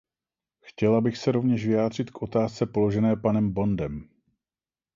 Chtěla bych se rovněž vyjádřit k otázce položené panem Bondem.